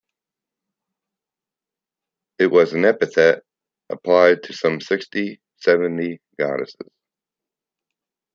It was an epithet applied to some sixty-seventy goddesses.